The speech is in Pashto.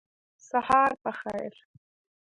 سهار په خیر